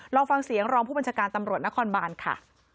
ลองฟังเสียงรองผู้บัญชาการตำรวจนครบานค่ะ